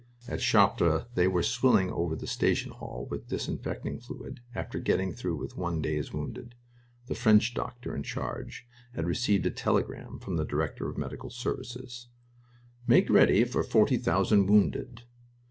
At Chartres they were swilling over the station hall with disinfecting fluid after getting through with one day's wounded. The French doctor in charge had received a telegram from the director of medical services: "Make ready for forty thousand wounded."